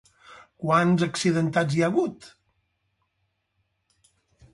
Quants accidentats hi ha hagut?